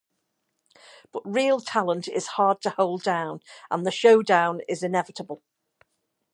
But real talent is hard to hold down and the showdown is inevitable.